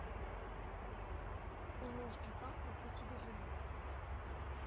on mange du pain au petit-déjeuner.